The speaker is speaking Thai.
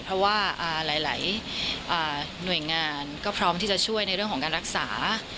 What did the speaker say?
เพราะว่าหลายหน่วยงานก็พร้อมที่จะช่วยในเรื่องของการรักษา